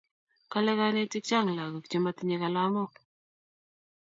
kale kanetik chang lakok che matinye kalamok